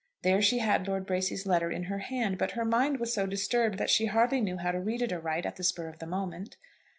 There she had Lord Bracy's letter in her hand, but her mind was so disturbed that she hardly knew how to read it aright at the spur of the moment.